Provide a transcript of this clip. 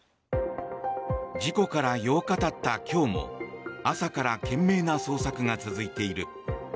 事故から８日たった今日も朝から懸命な捜索が続いている。